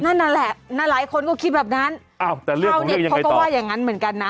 นั่นแหละหลายคนก็คิดแบบนั้นเข้าเด็กเขาก็ว่าอย่างนั้นเหมือนกันนะ